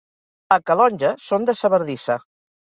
A Calonge són de sa bardissa.